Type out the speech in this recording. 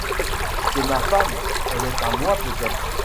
C’est ma femme, elle est à moi peut-être!